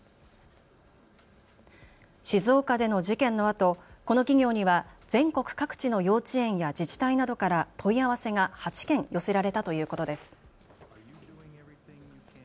静岡での事件のあとこの企業には全国各地の幼稚園や自治体などから問い合わせが８件寄せられたということです。